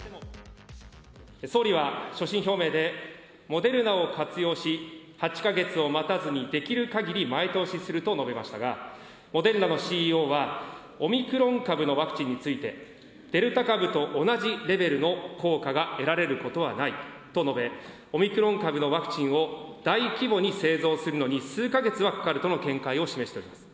総理は所信表明で、モデルナを活用し、８か月を待たずにできるかぎり前倒しすると述べましたが、モデルナのＣＥＯはオミクロン株のワクチンについて、デルタ株と同じレベルの効果が得られることはないと述べ、オミクロン株のワクチンを大規模に製造するのに数か月はかかるとの見解を示しております。